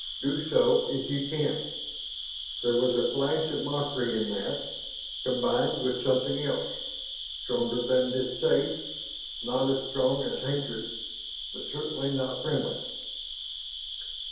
Do so if you can!" There was a flash of mockery in that, combined with something else stronger than distaste, not as strong as hatred, but certainly not friendly.